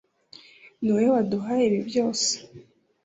niwowe waduhaye ibi byose